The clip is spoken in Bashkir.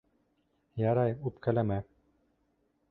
Ярай, үпкәләмә.